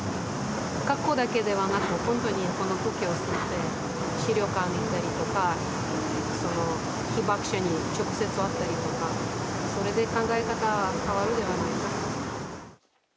格好だけではなく、本当にこの空気を吸って、資料館行ったりとか、被爆者に直接会ったりとか、それで考え方が変わるではないかと。